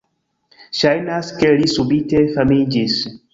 Ŝajnas ke li subite famiĝis."